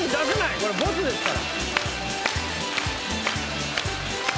これボツですから。